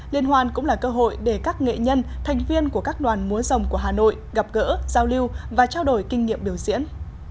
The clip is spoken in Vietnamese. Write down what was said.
liên hoan cũng là cơ hội để các nghệ nhân thành viên của các đoàn múa dòng của hà nội gặp gỡ giao lưu và trao đổi kinh nghiệm biểu diễn